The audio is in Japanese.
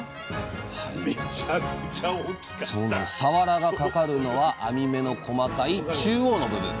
さわらが掛かるのは網目の細かい中央の部分。